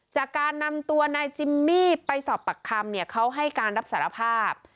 จากการนำตัวนายจิมมี่ไปสอบปากคำเนี่ยเขาให้การรับสารภาพ